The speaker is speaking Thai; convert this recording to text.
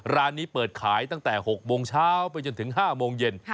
ร้านนี้เปิดขายตั้งแต่๖โมงเช้าไปจนถึง๕โมงเย็น